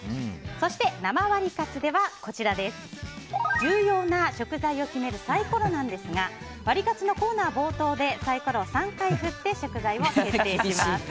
そして生ワリカツでは重要な食材を決めるサイコロなんですがワリカツのコーナー冒頭でサイコロを３回振って食材を決めていただきます。